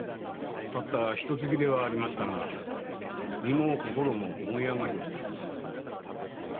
たったひとつきではありましたが身も心も燃え上がりました。